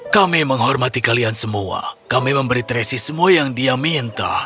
kami menghormati kalian semua kami memberi tracy semua yang dia minta